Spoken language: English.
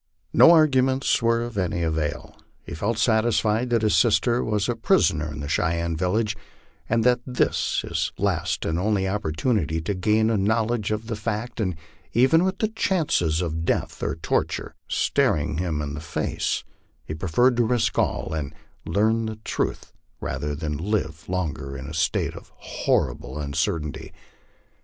No arguments were of any avail. He felt satisfied that his sister was a prisoner in the Cheyenne village, and this his last and only opportunity to gain a knowledge of the fact; and even with the chances of death or torture staring him in the face he preferred to risk all, and learn the truth, rather than live longer in a state of horrible uncertainty.